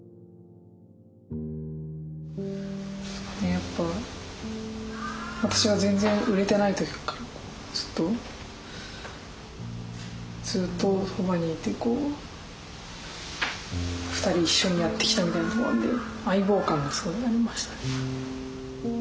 やっぱ私が全然売れてない時からずっとずっとそばにいてこう２人一緒にやってきたみたいなとこあるんで相棒感がすごいありましたね。